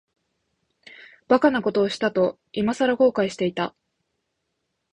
馬鹿なことをしたと、いまさら後悔していた。